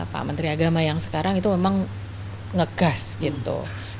pak menteri agama yang sekarang itu memang ngegas gitu